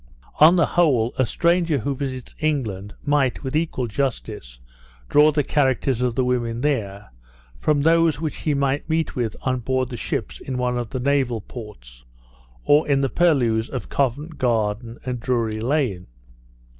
On the whole, a stranger who visits England might, with equal justice, draw the characters of the women there, from those which he might meet with on board the ships in one of the naval ports, or in the purlieus of Covent Garden and Drury Lane.